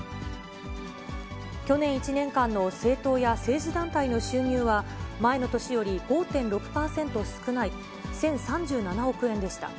去年１年間の政党や政治団体の収入は、前の年より５．６％少ない１０３７億円でした。